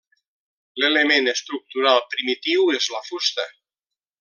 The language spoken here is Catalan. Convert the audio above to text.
L'element estructural primitiu és la fusta.